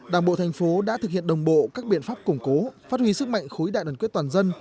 đảng bộ thành phố đã thực hiện đồng bộ các biện pháp củng cố phát huy sức mạnh khối đại đoàn kết toàn dân